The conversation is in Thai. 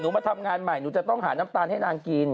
มาทำงานใหม่หนูจะต้องหาน้ำตาลให้นางกิน